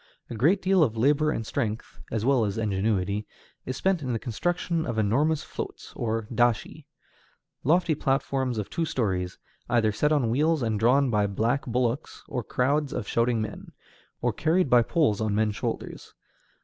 A great deal of labor and strength, as well as ingenuity, is spent in the construction of enormous floats, or dashi, lofty platforms of two stories, either set on wheels and drawn by black bullocks or crowds of shouting men, or carried by poles on men's shoulders.